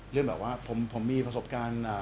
เรื่องแบบว่าผมมีประสบการณ์